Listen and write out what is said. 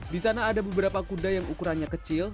di sana ada beberapa kuda yang ukurannya kecil